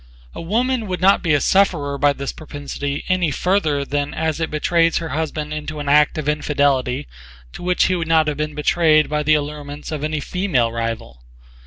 A woman would not be a sufferer by this propensity any further than as it betrays her husband into an act of infidelity to which he would not have been betrayed by the allurements of any female rival.